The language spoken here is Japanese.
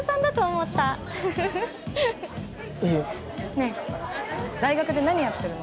ねえ大学で何やってるの？